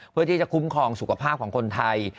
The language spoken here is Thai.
เพื่อที่จะคุ้มครองสุขภาพของคนไทย